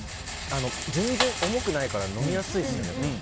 全然重くないから飲みやすいですよね。